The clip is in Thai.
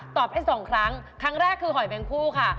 ตอบให้๒ครั้งครั้งแรกคือหอยแมงพู่ค่ะ